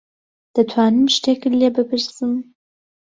دەتوانم شتێکت لێ بپرسم؟